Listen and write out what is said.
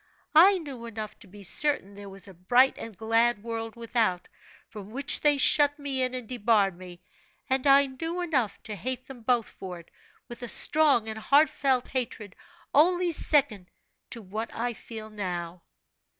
I knew enough to be certain there was a bright and glad world without, from which they shut me in and debarred me; and I knew enough to hate them both for it, with a strong and heartfelt hatred, only second to what I feel now."